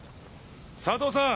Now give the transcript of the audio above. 佐藤さん。